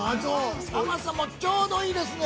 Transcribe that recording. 甘さもちょうどいいですね。